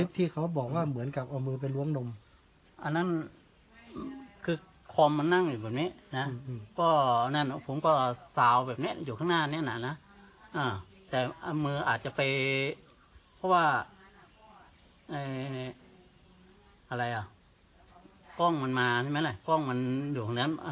ผมไปพร่มดูความว่าผมต้องใส่ตาสั้นนั่นน่ะ